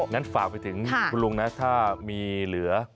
งั้นฝากไปถึงคุณลุงนะถ้ามีเหลือ